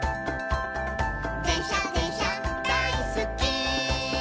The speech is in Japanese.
「でんしゃでんしゃだいすっき」